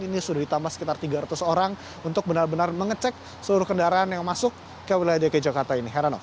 ini sudah ditambah sekitar tiga ratus orang untuk benar benar mengecek seluruh kendaraan yang masuk ke wilayah dki jakarta ini